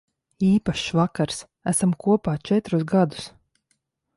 Īpašs vakars. Esam kopā četrus gadus.